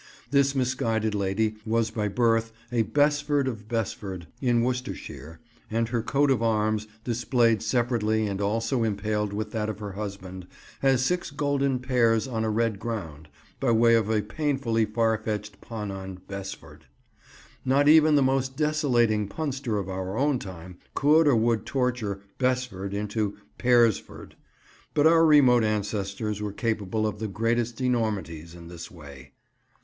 This misguided lady was by birth a Besford of Besford in Worcestershire, and her coat of arms, displayed separately and also impaled with that of her husband, has six golden pears on a red ground, by way of a painfully farfetched pun on "Besford." Not even the most desolating punster of our own time could or would torture "Besford" into "Pearsford," but our remote ancestors were capable of the greatest enormities in this way.